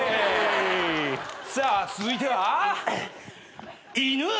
さあ続いては犬。